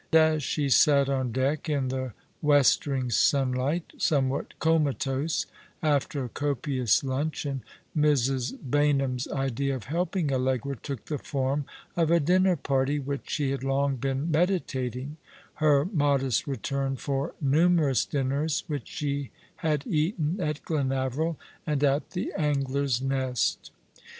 As she sat on deck in the westering sunlight, somewhat comatose after a copious luncheon, Mrs. Baynham's 1 62 All along the River, idea of helping Allegra took the form of a dinner party which she had long been meditating, her modest return for numerous dinners which she had eaten at Glenaveril and at the Angler's Nest.